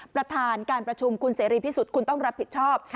ประธานการประชุมคุณเสรีพิสุทธิ์คุณต้องรับผิดชอบ